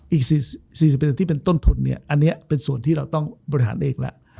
อีก๔๐ที่เป็นต้นทุนเนี่ยอันนี้เป็นส่วนที่เราต้องบริหารเองแล้ว